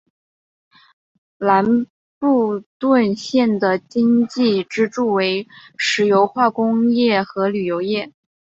兰布顿县的经济支柱为石油化工业和旅游业。